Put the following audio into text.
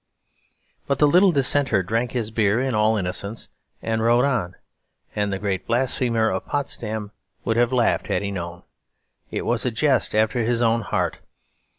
But the little Dissenter drank his beer in all innocence and rode on. And the great blasphemer of Potsdam would have laughed had he known; it was a jest after his own heart.